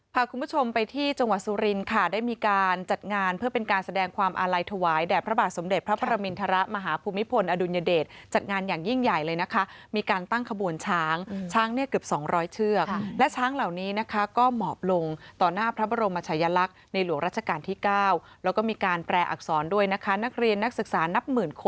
พาคุณผู้ชมไปที่จังหวัดสุรินค่ะได้มีการจัดงานเพื่อเป็นการแสดงความอาลัยถวายแด่พระบาทสมเด็จพระประมินทรมาหาภูมิพลอดุลยเดชจัดงานอย่างยิ่งใหญ่เลยนะคะมีการตั้งขบวนช้างช้างเนี่ยเกือบ๒๐๐เชือกและช้างเหล่านี้นะคะก็หมอบลงต่อหน้าพระบรมชายลักษณ์ในหลวงราชการที่๙แล้วก็มีการแปลอักษรด้วยนะคะนักเรียนนักศึกษานับหมื่นค